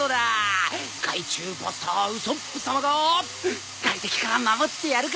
害虫バスターウソップさまが外敵から守ってやるからな。